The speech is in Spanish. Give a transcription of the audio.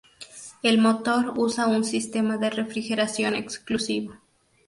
El motor usa un sistema de refrigeración exclusivo.